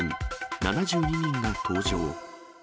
７２人が搭乗。